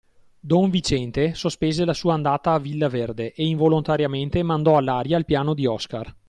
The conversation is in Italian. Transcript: Don Viciente sospese la sua andata a Villa Verde e involontariamente mandò all'aria il piano di Oscar.